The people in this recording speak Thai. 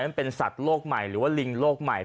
มันเป็นสัตว์โลกใหม่หรือว่าลิงโลกใหม่